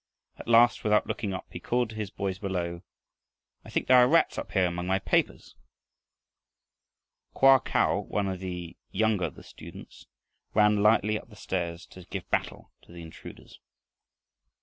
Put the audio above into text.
At last without looking up, he called to his boys below: "I think there are rats up here among my papers!" Koa Kau, one of the younger of the students, ran lightly up the stairs to give battle to the intruders.